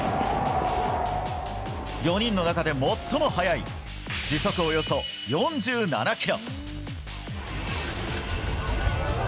４人の中で最も速い時速およそ４７キロ。